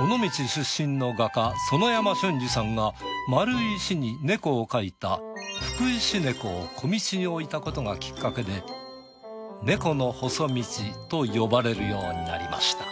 尾道出身の画家園山春二さんが丸い石に猫を描いた福石猫を小道に置いたことがきっかけで猫の細道と呼ばれるようになりました。